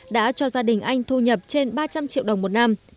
đã cho gia đình anh thu nhập trên ba trăm linh triệu đồng một năm